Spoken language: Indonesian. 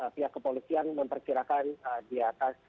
pihak kepolisian memperkirakan di atas seratus juta usd